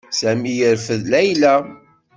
Sami yerfed Layla.